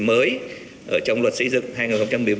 mới ở trong luật xây dựng hai nghìn một mươi bốn